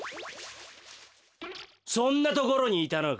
そんなところにいたのか。